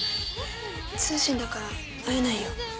通信だから会えないよ。